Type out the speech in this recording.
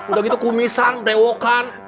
udah gitu kumisan perewokan